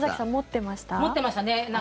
持ってましたね。